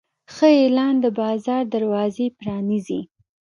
ښه اعلان د بازار دروازې پرانیزي.